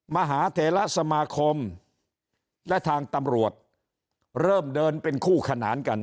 มหาเทระสมาคมและทางตำรวจเริ่มเดินเป็นคู่ขนานกัน